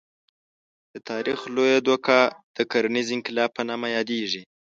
د تاریخ لویه دوکه د کرنیز انقلاب په نامه یادېږي.